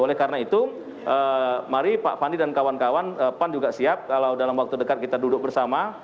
oleh karena itu mari pak fadli dan kawan kawan pan juga siap kalau dalam waktu dekat kita duduk bersama